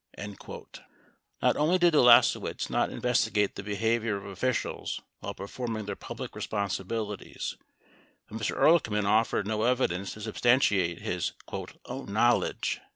20 Not only did Ulasewicz not investigate the behavior of officials while performing their public responsibilities, but Mr. Ehrlichman offered no evidence to substantiate his "own knowledge."